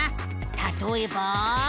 たとえば。